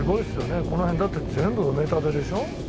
この辺だって全部埋め立てでしょ？